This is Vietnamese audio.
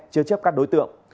chưa chấp các đối tượng